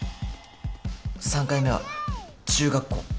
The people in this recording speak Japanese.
３回目は中学校